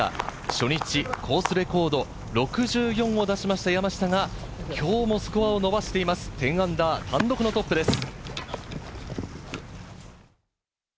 初日、コースレコード６４を出しました山下が今日もスコアを伸ばしています、−１０、単独トップです。